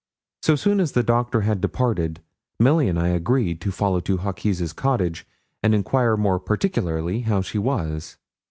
So soon as the doctor had departed, Milly and I agreed to follow to Hawkes' cottage and enquire more particularly how she was.